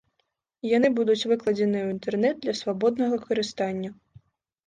Яны будуць выкладзеныя ў інтэрнэт для свабоднага карыстання.